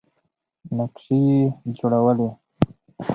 نقشې یې جوړولې.